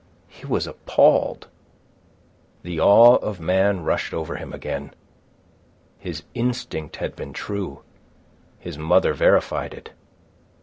He was appalled. The awe of man rushed over him again. His instinct had been true. His mother verified it.